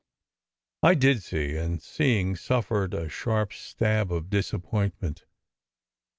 I did see, and seeing, suffered a sharp stab of disappoint ment.